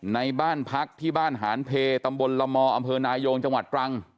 ในบ้านพักที่บ้านหานเพตำบลละมอำเภอนายงจังหวัดตรัง